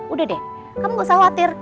udah deh kamu gak usah khawatir